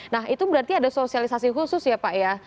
nah itu berarti ada sosialisasi khusus ya pak ya